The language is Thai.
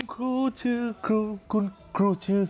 เกือบได้แล้วอ่ะ